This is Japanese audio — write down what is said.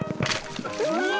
うわ！